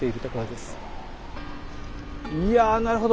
いやなるほど。